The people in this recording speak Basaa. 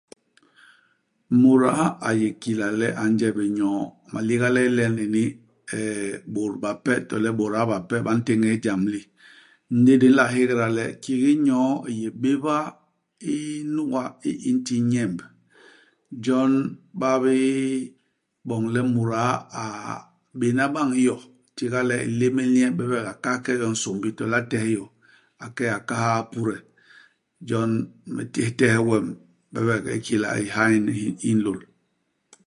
Muda a yé kila le a nje bé nyoo. Maliga le ilen ini, eeh bôt bape to le bôda bape ba ntéñés ijam li. Ndi di nla hégda le, kiki nyoo i yé béba i nuga i i nti nyemb. Jon ba biboñ le muda a béna bañ yo. Itiga le i lémél nye, bebek a kahal ke yo i nsômbi, to le a tehe yo, a ke a kahal pude. Jon me téh itehe wem, bebek ikila i ha nyen hi i nlôl.